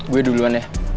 gue duluan ya